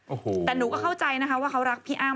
โอ้โหแต่หนูก็เข้าใจนะคะว่าเขารักพี่อ้ำ